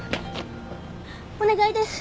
お願いです！